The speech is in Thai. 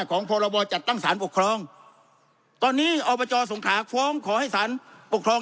พรบจัดตั้งสารปกครองตอนนี้อบจสงขาฟ้องขอให้สารปกครอง